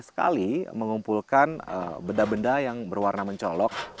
sekali mengumpulkan benda benda yang berwarna mencolok